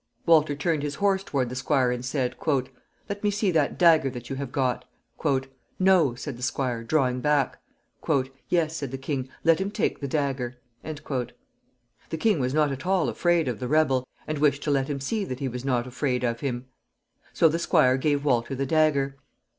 Walter turned his horse toward the squire and said, "Let me see that dagger that you have got." "No," said the squire, drawing back. "Yes," said the king, "let him take the dagger." The king was not at all afraid of the rebel, and wished to let him see that he was not afraid of him. So the squire gave Walter the dagger.